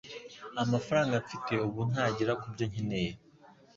Amafaranga mfite ubu ntagera kubyo nkeneye.